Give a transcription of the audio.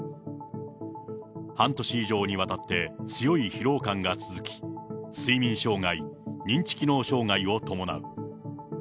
半年以上にわたって強い疲労感が続き、睡眠障害、認知機能障害を伴う。